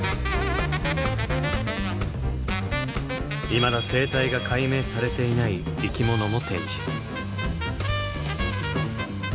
いまだ生態が解明されていない生き物も展示。